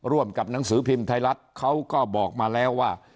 ร่วมกับหนังสือพิมพ์ไทยรัฐเขาก็บอกมาแล้วว่า